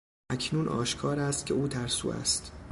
اکنون آشکار است که او ترسو است.